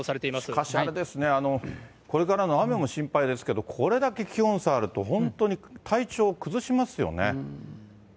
しかしあれですね、これからの雨も心配ですけど、これだけ気温差あると、本当に体調を崩しますよね。